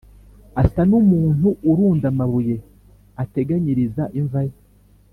asa n’umuntu urunda amabuye ateganyiriza imva ye.